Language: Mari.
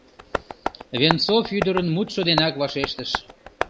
— Венцов ӱдырын мутшо денак вашештыш.